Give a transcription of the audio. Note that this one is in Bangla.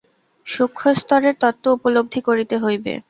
সূক্ষ্মস্তরের তত্ত্ব উপলব্ধি করিতে হইবে।